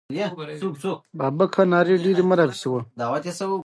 د کلیزو منظره د افغانستان د طبیعي زیرمو برخه ده.